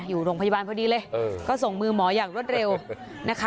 อยู่โรงพยาบาลพอดีเลยก็ส่งมือหมออย่างรวดเร็วนะคะ